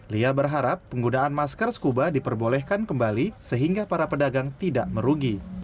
lia berharap penggunaan masker scuba diperbolehkan kembali sehingga para pedagang tidak merugi